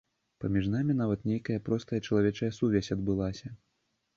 Паміж намі нават нейкая простая чалавечая сувязь адбылася.